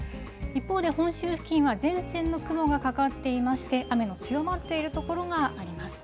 一方で、本州付近は前線の雲がかかっていまして、雨の強まっている所があります。